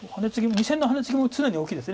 ２線のハネツギも常に大きいです。